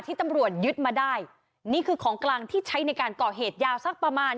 ตำรวจยึดมาได้นี่คือของกลางที่ใช้ในการก่อเหตุยาวสักประมาณ